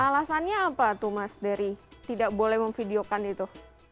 alasannya apa tuh mas dari tidak boleh memvideokan itu